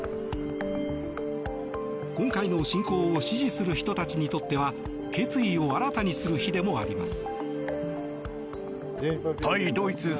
今回の侵攻を支持する人たちにとっては決意を新たにする日でもあります。